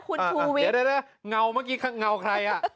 คุณชูวิทย์เดี๋ยวเงาเมื่อกี้เงาใครอ่ะ